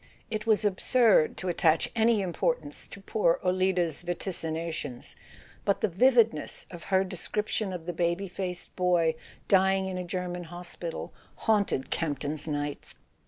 It was absurd to attach any importance to poor Olida's vaticinations; but the vividness of her description of [ 253 ] A SON AT THE FRONT the baby faced boy dying in a German hospital haunted Campton's nights.